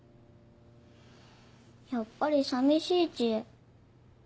やっぱり寂しい知恵。